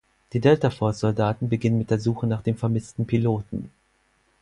Die Delta-Force-Soldaten beginnen mit der Suche nach dem vermissten Piloten.